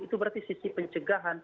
itu berarti sisi pencegahan